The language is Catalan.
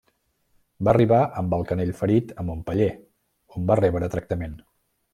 Va arribar amb el canell ferit a Montpeller on va rebre tractament.